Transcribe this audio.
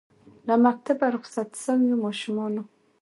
له مکتبه رخصت سویو ماشومانو